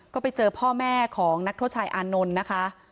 ก็ไปเจอพ่อแม่ของนักโทษชายอานนท์นะคะ